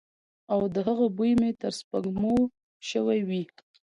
او د هغه بوی مې تر سپوږمو شوی وی.